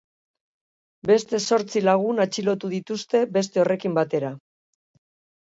Beste zortzi lagun atxilotu dituzte horrekin batera.